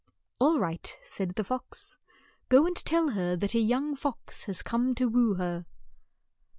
"All right," said the fox. "Go and tell her that a young fox has come to woo her."